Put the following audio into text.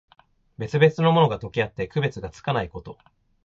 別々のものが、とけあって区別がつかないこと。